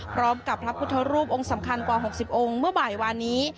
พร้อมกับพระพุทธรูปองค์สำคัญกว่า๖๐องค์เมื่อบ่ายวานนี้